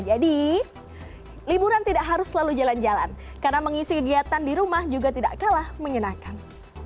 jadi liburan tidak harus selalu jalan jalan karena mengisi kegiatan di rumah juga tidak kalah menyenangkan